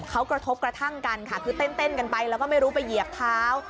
เขากระทบกระทั่งกันค่ะคือเต้นกันไปแล้วก็ไม่รู้ไปเหยียบเท้า